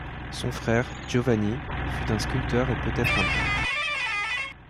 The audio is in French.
Son frère, Giovanni, fut un sculpteur et peut-être un peintre.